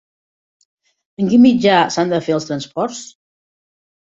En quin mitjà s'han de fer els transports?